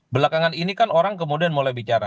belakangan ini kan orang kemudian mulai bicara